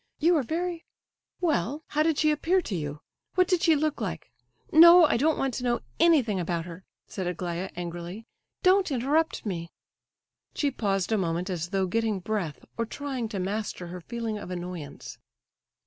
You are very—Well, how did she appear to you? What did she look like? No, I don't want to know anything about her," said Aglaya, angrily; "don't interrupt me—" She paused a moment as though getting breath, or trying to master her feeling of annoyance.